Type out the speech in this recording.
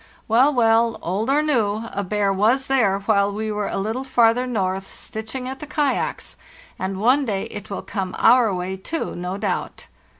Well, well, old or new, a bear was there while we were a little farther north, stitching at the kayaks, and one day it will come our way, too, no doubt!